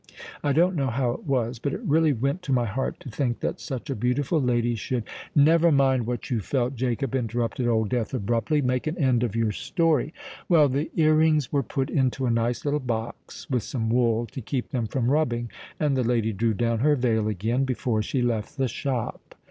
I don't know how it was—but it really went to my heart to think that such a beautiful lady should——" "Never mind what you felt, Jacob," interrupted Old Death abruptly. "Make an end of your story." "Well, the ear rings were put into a nice little box, with some wool to keep them from rubbing; and the lady drew down her veil again, before she left the shop."